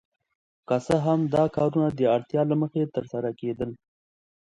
که څه هم دا کارونه د اړتیا له مخې ترسره کیدل.